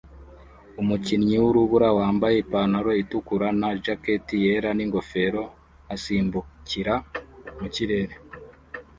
Umukinnyi wurubura wambaye ipantaro itukura na jacket yera ningofero asimbukira mu kirere